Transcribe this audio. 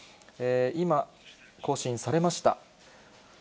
今、更新されました。